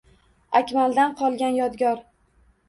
Akmaldan qolgan Yodgor